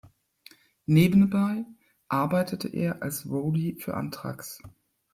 Nebenbei arbeitete er als Roadie für Anthrax.